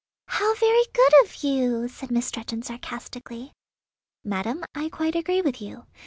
"How very good of you!" said Miss Stretton sarcastically. "Madam, I quite agree with you.